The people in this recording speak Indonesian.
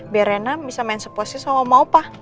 biar rena bisa main sepuasnya sama oma opa